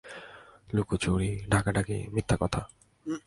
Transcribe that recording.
লুকাচুরি, ঢাকাঢাকি, মিথ্যাকথা!